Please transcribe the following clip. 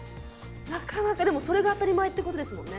でもそれが当たり前ってことですもんね。